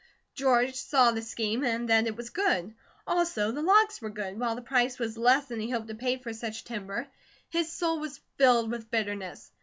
George saw the scheme, and that it was good. Also the logs were good, while the price was less than he hoped to pay for such timber. His soul was filled with bitterness.